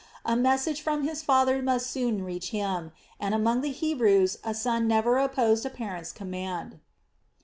A message from his father must soon reach him and among the Hebrews a son never opposed a parent's command.